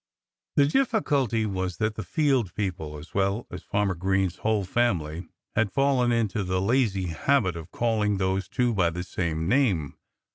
The difficulty was that the field people as well as Farmer Green's whole family had fallen into the lazy habit of calling those two by the same name.